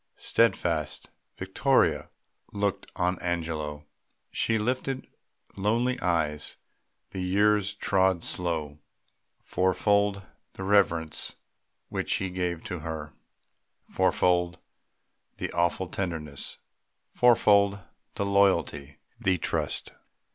Steadfast, Vittoria looked on Angelo. She lifted lonely eyes. The years trod slow. Fourfold the reverence which he gave to her, Fourfold the awful tenderness, fourfold The loyalty, the trust.